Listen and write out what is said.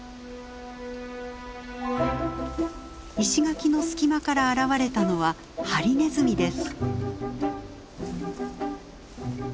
石垣の隙間から現れたのはハリネズミです。